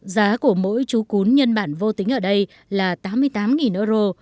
giá của mỗi chú cún nhân bản vô tính ở đây là tám mươi tám euro